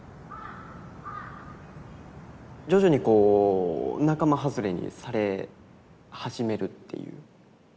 徐々にこう仲間外れにされ始めるっていう。